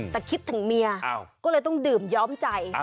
แต่คิดถึงเมียก็เลยต้องดื่มย้อมใจ